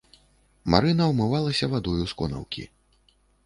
Марына ўмывалася вадою з конаўкі.